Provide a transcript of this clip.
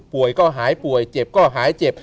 ก็หายป่วยเจ็บก็หายเจ็บ